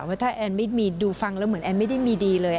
ว่าถ้าแอนไม่มีดูฟังแล้วเหมือนแอนไม่ได้มีดีเลย